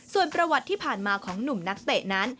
ส่วนประวัติที่ผ่านมาของหนุ่มนักเตะนั้น